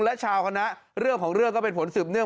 และชาวคณะเรื่องของเรื่องก็เป็นผลสืบเนื่อง